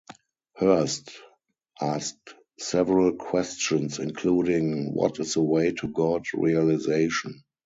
Hurst asked several questions, including What is the way to God-realization?